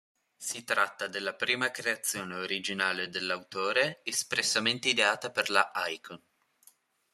Si tratta della prima creazione originale dell'autore espressamente ideata per la Icon.